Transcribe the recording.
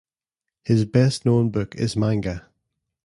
His best known book is Manga!